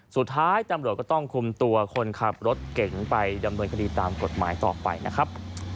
สุดท้ายตำรวจก็ต้องคุมตัวคนขับรถเก่งไปดำเนินคดีตามกฎหมายต่อไปนะครับ